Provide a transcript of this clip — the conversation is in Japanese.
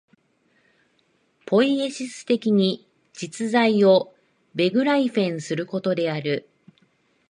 ポイエシス的に実在をベグライフェンすることである。